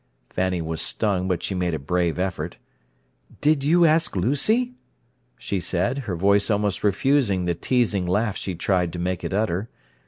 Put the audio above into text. Fanny was stung, but she made a brave effort. "Did you ask Lucy?" she said, her voice almost refusing the teasing laugh she tried to make it utter.